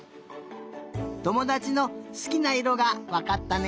ともだちのすきないろがわかったね！